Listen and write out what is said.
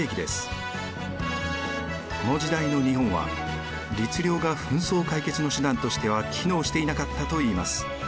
この時代の日本は律令が紛争解決の手段としては機能していなかったといいます。